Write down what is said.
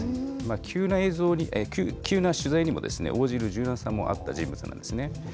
急な映像、急な取材にも応じる柔軟さもあった人物なんですね。